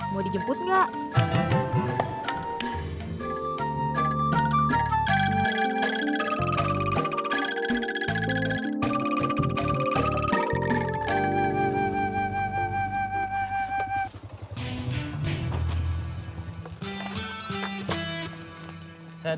mau dijemput gak